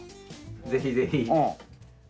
ぜひぜひ。